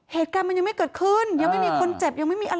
เหตุการณ์มันยังไม่เกิดขึ้นไม่มีคนเจ็บ